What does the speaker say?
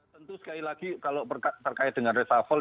tentu sekali lagi kalau terkait dengan resafel